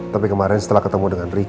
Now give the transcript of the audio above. tapi kemarin setelah ketemu dengan ricky